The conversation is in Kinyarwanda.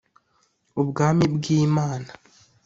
Ubwami bw’Imana